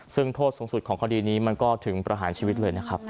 ซึ่งโทษสูงสุดของคดีนี้มันก็ถึงประหารชีวิตเลยนะครับ